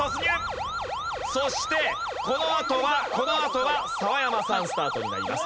そしてこのあとはこのあとは澤山さんスタートになります。